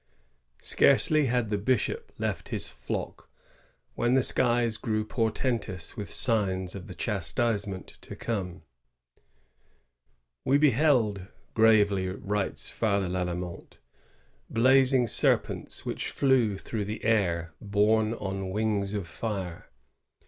Scarcely had the bishop left his flock when the skies grew portentous with signs of the chastisement to come. "We beheld," gravely writes Father Lalemant, " blazing serpents which flew through the air, borne on wings of fire.